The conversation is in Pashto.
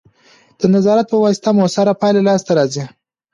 د نظارت په واسطه مؤثره پایله لاسته راځي.